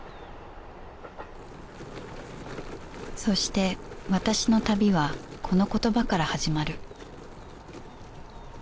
そして私の旅はこの言葉から始まる